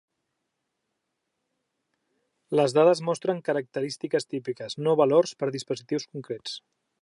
Les dades mostren característiques típiques, no valors per a dispositius concrets.